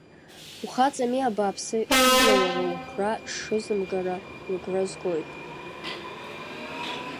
Ухаҵами абааԥсы, Хьыбла уара угәра шызымгара лыгәра згоит…